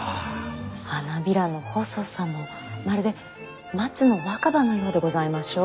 花びらの細さもまるで松の若葉のようでございましょう？